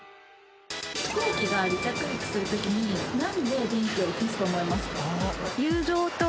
飛行機が離着陸する時になんで電気を消すと思いますか？